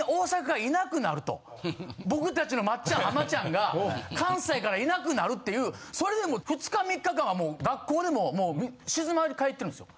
僕たちの松ちゃん浜ちゃんが関西からいなくなるっていうそれでも２日３日間は学校でも静まり返ってるんですよ。